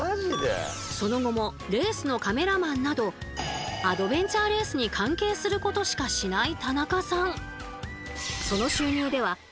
その後もレースのカメラマンなどアドベンチャーレースに関係することしかしない田中さん。